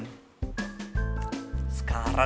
dia kuil terus